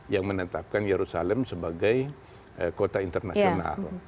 yang menetapkan yerusalem sebagai kota internasional